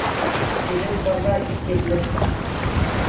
Ирек барҙа ирлек бар.